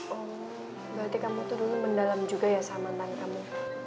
oh berarti kamu tuh dulu mendalam juga ya sama mantan kamu